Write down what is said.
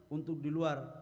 untuk di luar